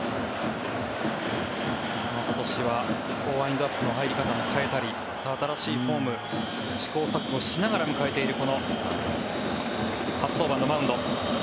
今年はワインドアップの入り方を変えたり新しいフォーム試行錯誤しながら迎えているこの初登板のマウンド。